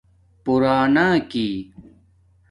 پُراناکی